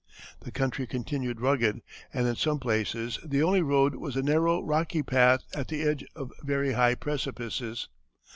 The country continued rugged, and in some places the only road was a narrow rocky path at the edge of very high precipices.